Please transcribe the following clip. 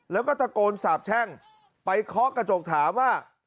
แล้วก็ตะโกนสาบแช่งไปเคาะกระจกถามว่า